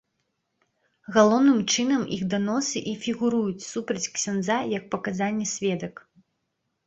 Галоўным чынам іх даносы і фігуруюць супраць ксяндза як паказанні сведак.